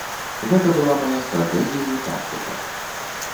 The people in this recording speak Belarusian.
Гэта была мая стратэгія і тактыка.